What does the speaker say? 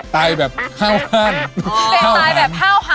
อ๋อตายแบบห้าวหาญอยู่ดี